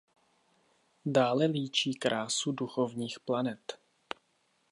Dále líčí krásu duchovních planet.